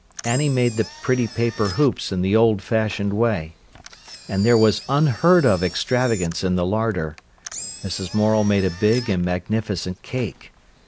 Annie made the pretty paper hoops in the old fashioned way. And there was unheard of extravagance in the larder. Mrs. Morel made a big and magnificent cake.